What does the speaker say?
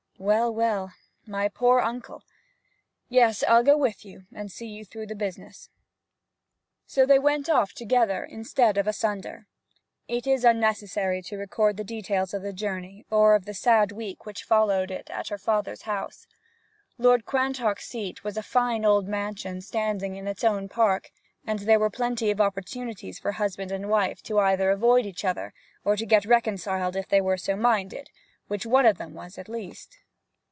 'Well, well my poor uncle! Yes, I'll go with you, and see you through the business.' So they went off together instead of asunder, as planned. It is unnecessary to record the details of the journey, or of the sad week which followed it at her father's house. Lord Quantock's seat was a fine old mansion standing in its own park, and there were plenty of opportunities for husband and wife either to avoid each other, or to get reconciled if they were so minded, which one of them was at least.